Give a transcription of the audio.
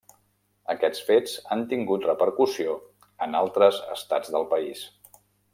Aquests fets han tingut repercussió en altres estats del país.